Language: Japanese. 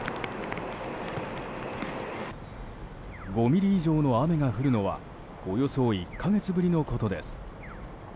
５ミリ以上の雨が降るのはおよそ１か月ぶりのことです。